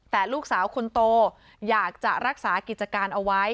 แต่ลูกสาวคนโตอยากจะรักษากิจการเอาไว้